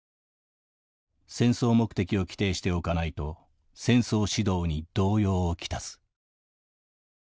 戦争目的を規定しておかないと戦争指導に動揺を来す」。